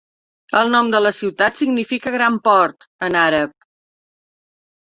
El nom de la ciutat significa 'gran port' en àrab.